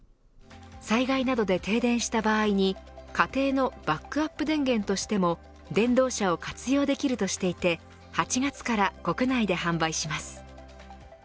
災害などで停電した場合に家庭のバックアップ電源としても電動車を活用できるとしていて８月から国内で販売します。